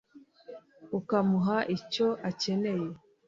ukamuha icyo akeneye